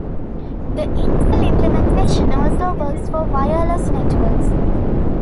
The Intel implementation also works for wireless networks.